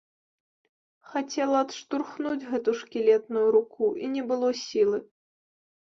Хацела адштурхнуць гэту шкілетную руку, і не было сілы.